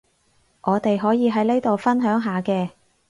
我哋可以喺呢度分享下嘅